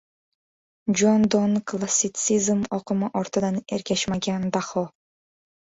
Jon Donn klassitsizm oqimi ortidan ergashmagan daho.